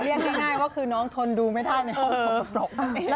เรียกง่ายว่าคือน้องทนดูไม่ได้ในบังค์ส่องประปรกครับ